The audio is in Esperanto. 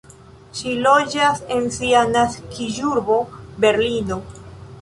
Ŝi loĝas en sia naskiĝurbo Berlino.